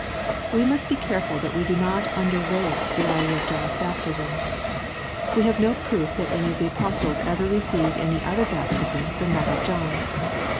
We must be careful that we do not underrate the value of John's baptism. We have no proof that any of the apostles ever received any other baptism than that of John.